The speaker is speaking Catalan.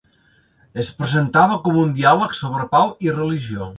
Es presentava com un diàleg sobre pau i religió.